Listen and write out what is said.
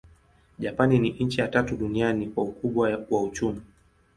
Japani ni nchi ya tatu duniani kwa ukubwa wa uchumi.